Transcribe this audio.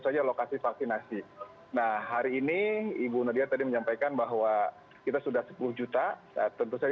saja lokasi vaksinasi nah hari ini ibu nadia tadi menyampaikan bahwa kita sudah sepuluh juta tentu saja